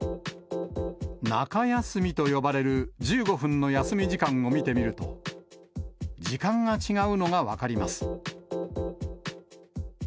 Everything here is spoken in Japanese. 中休みと呼ばれる１５分の休み時間を見てみると、時間が違うのが分かります。